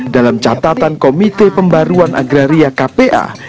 dalam catatan komite pembaruan agraria kpa